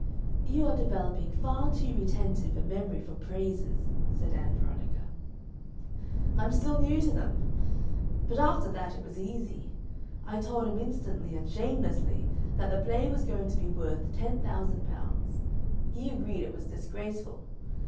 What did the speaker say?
"You are developing far too retentive a memory for praises," said Ann Veronica. "I'm still new to them. But after that it was easy. I told him instantly and shamelessly that the play was going to be worth ten thousand pounds. He agreed it was disgraceful.